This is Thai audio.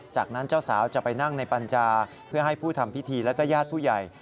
จากนั้นเจ้าสาวจะไปนั่งในปัญญาเพื่อให้ผู้ทำพิธีและก็ญาติผู้ใหญ่